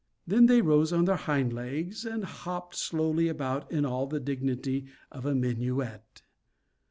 Then they rose on their hind legs and hopped slowly about in all the dignity of a minuet.